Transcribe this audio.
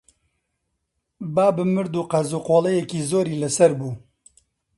بابم مرد و قەرزوقۆڵەیەکی زۆری لەسەر بوو